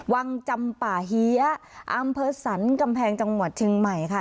วังจำป่าเฮียอำเภอสรรกำแพงจังหวัดเชียงใหม่ค่ะ